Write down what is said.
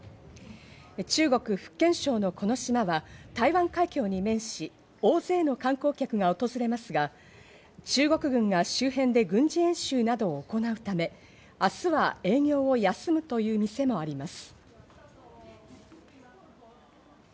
中国・福建省のこの島は台湾海峡に面し、大勢の観光客が訪れますが、中国軍が周辺で軍事演習など行うため、明日は営業を休むという店もあります。